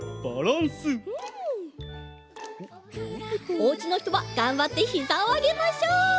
おうちのひとはがんばってひざをあげましょう！